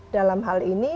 dalam hal ini